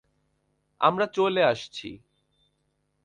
আমরা চলে আসছি।